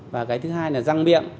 và cái thứ hai là răng miệng